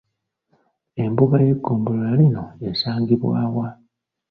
Embuga y'eggomolola lino esangibwa wa?